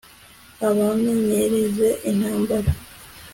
abamenyereze intambara